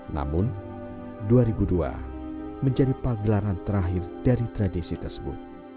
namun dua ribu dua menjadi pagelaran terakhir dari tradisi tersebut